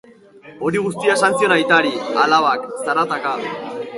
Hori guztia esan zion aitari alabak, zarataka.